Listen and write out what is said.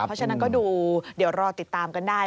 เพราะฉะนั้นก็ดูเดี๋ยวรอติดตามกันได้